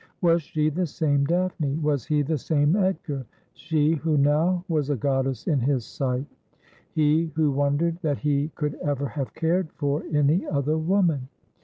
Was she the same Daphne ? Was he the same Edgar ? She who now was a goddess in his sight. He who wondered that he could ever have cared for any other woman.